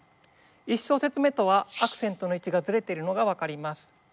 １小節目とはアクセントの位置がずれているのが分かります。